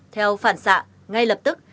theo phản xạ ngay lập tức